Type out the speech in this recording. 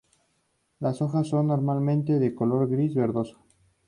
Las hojas son normalmente de color gris verdoso.